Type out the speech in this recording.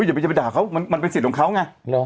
อุ้ยอย่าไปด่าเขามันมันเป็นสิทธิ์ของเขาไงหรอ